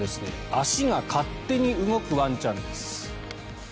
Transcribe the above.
足が勝手に動くワンちゃんです。